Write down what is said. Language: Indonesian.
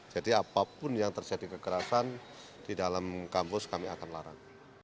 jadi apapun yang terjadi kekerasan di dalam kampus kami akan larang